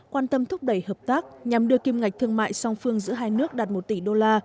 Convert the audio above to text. quan tâm thúc đẩy hợp tác nhằm đưa kim ngạch thương mại song phương giữa hai nước đạt một tỷ đô la